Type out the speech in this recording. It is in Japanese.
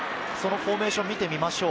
フォーメーションを見てみましょう。